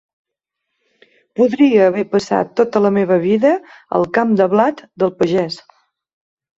Podria haver passat tota la meva vida al camp de blat del pagès.